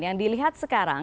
yang dilihat sekarang